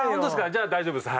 じゃあ大丈夫です。